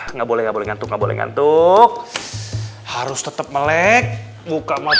enggak boleh ngantuk ngantuk harus tetep melek buka matanya gitu